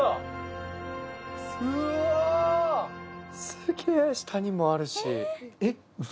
すげえ下にもあるしえっウソ？